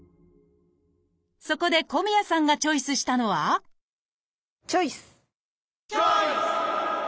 そこで小宮さんがチョイスしたのはチョイス！